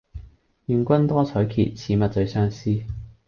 願君多采擷，此物最相思。